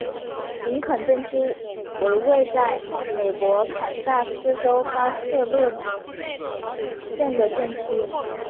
林肯镇区为位在美国堪萨斯州巴特勒县的镇区。